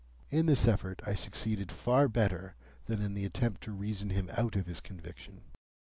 In this effort I succeeded far better than in the attempt to reason him out of his conviction.